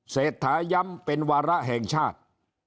เศรษฐาย้ำเป็นวาระแห่งชาติ